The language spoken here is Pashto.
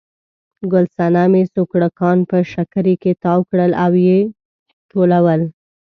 ګل صنمې سوکړکان په شکري کې تاو کړل او یې ټولول.